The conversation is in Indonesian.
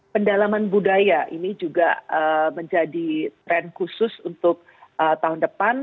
pendalaman budaya ini juga menjadi tren khusus untuk tahun depan